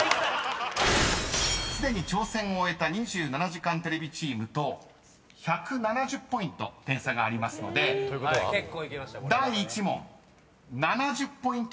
［すでに挑戦を終えた２７時間テレビチームと１７０ポイント点差がありますので第１問７０ポイント